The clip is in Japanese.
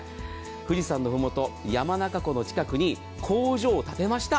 富士山のふもと、山中湖の近くに工場を建てました。